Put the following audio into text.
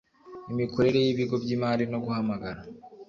imikorere y ibigo by imari no guhamagara